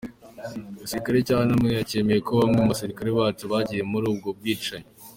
Igisirikare ca Myanmar cemeye ko bamwe mu basirikare baco bagiye muri ubwo bwicanyi.